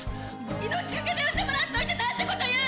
命懸けで産んでもらっておいて何てこと言う！